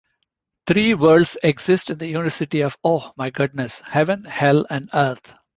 Three worlds exist in the Universe of Oh My Goddess: Heaven, Hell, and Earth.